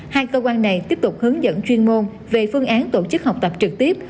hai cơ quan này tiếp tục hướng dẫn chuyên môn về phương án tổ chức học tập trực tiếp